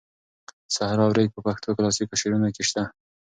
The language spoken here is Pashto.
صحرا او ریګ په پښتو کلاسیکو شعرونو کې شته.